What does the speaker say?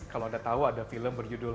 kalau anda tahu ada film berjudul